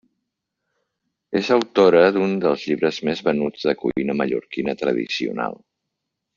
És autora d'un dels llibres més venuts de cuina mallorquina tradicional.